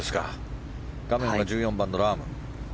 画面は１４番のラーム。